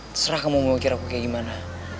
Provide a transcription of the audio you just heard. terserah kamu mikir kira aku kayak gimana